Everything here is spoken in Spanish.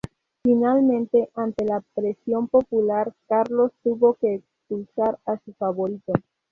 Finalmente, ante la presión popular, Carlos tuvo que expulsar a su favorito.